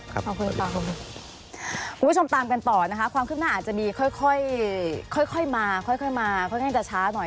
คุณผู้ชมตามกันต่อนะคะความขึ้นหน้าอาจจะมีค่อยมาค่อยมาค่อนข้างจะช้าหน่อย